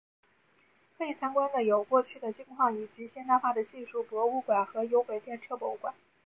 可以参观的有过去的金矿以及现代化的技术博物馆和有轨电车博物馆。